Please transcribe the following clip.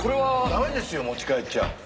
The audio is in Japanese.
駄目ですよ持ち帰っちゃ。